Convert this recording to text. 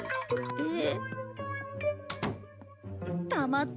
えっ！？